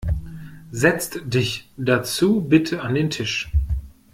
Setzt dich dazu bitte an den Tisch.